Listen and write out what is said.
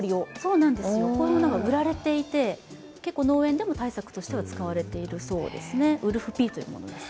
こういうものが売られていて農園では対策として使われているそうです。